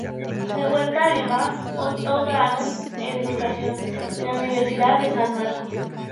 De vuelta a Lima, optó grado en educación, en la Universidad de San Marcos.